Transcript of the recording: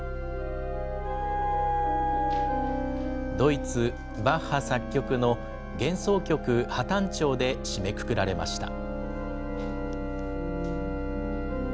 ドイツ、バッハ作曲の幻想曲ハ短調で締めくくられました。